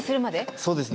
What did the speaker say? そうですね。